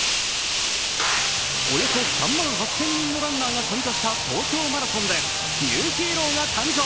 およそ３万８０００人のランナーが参加した東京マラソンでニューヒーローが誕生。